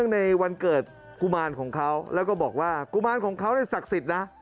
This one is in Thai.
ในวันเกิดกุมารของเขาแล้วก็บอกว่ากุมารของเขาศักดิ์สิทธิ์นะ